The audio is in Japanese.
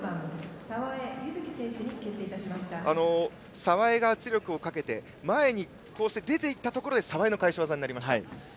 澤江が圧力をかけて角が前に出ていったところで澤江の返し技になりました。